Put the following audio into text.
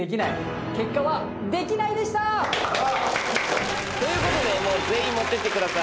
結果はできないでした！ということで全員持ってってください。